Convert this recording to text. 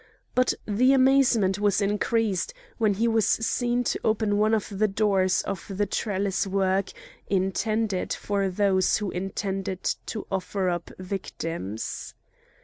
But the amazement was increased when he was seen to open one of the doors of the trellis work intended for those who intended to offer up victims.